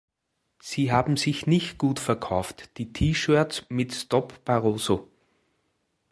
Sie haben sich nicht gut verkauft, die T-Shirts mit "Stop Barroso".